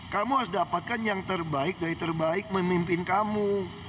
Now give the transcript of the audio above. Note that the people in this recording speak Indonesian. kamu harus dapatkan yang terbaik dari terbaik memimpin kamu